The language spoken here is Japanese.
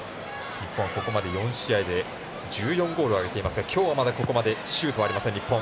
日本はここまで４試合で１４ゴール挙げていますが今日は、まだここまでシュートはありません日本。